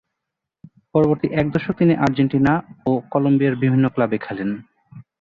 পরবর্তী এক দশক তিনি আর্জেন্টিনা ও কলম্বিয়ার বিভিন্ন ক্লাবে খেলেন।